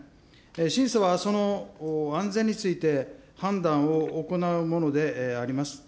審査はその安全について判断を行うものであります。